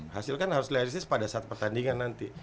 hasil kan harus realistis pada saat pertandingan nanti